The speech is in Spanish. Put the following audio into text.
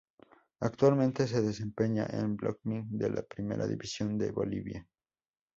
Actualmente se desempeña en Blooming de la Primera División de Bolivia.